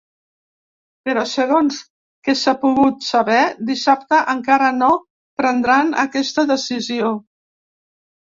Però, segons que s’ha pogut saber, dissabte encara no prendran aquesta decisió.